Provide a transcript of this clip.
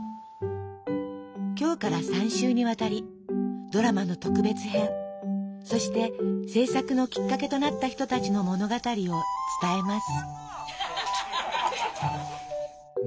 今日から３週にわたりドラマの特別編そして制作のきっかけとなった人たちの物語を伝えます